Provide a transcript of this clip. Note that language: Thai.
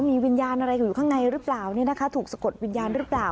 มีวิญญาณอะไรอยู่ข้างในหรือเปล่าเนี่ยนะคะถูกสะกดวิญญาณหรือเปล่า